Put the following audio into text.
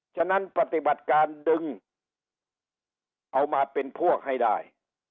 ฉะนั้นปฏิบัติการดึงเอามาเป็นพวกให้ได้